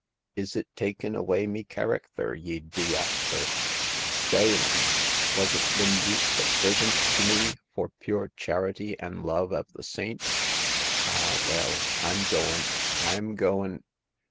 Is it takin' away me characther y'd be afther ? Stalin' ? Wasn't thim boots a prisint to me, for pure charity an' love av the saints ? Ah, well, I'm goin'— I'm goin'